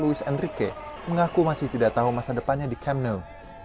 louis enrique mengaku masih tidak tahu masa depannya di camp nou